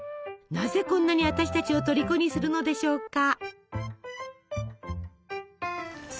なぜこんなに私たちをとりこにするのでしょうか？